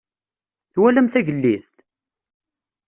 Twalam tagellidt?